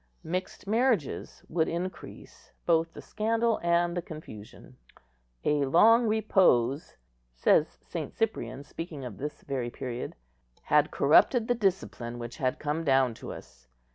Mixed marriages would increase both the scandal and the confusion. "A long repose," says St. Cyprian, speaking of this very period, "had corrupted the discipline which had come down to us.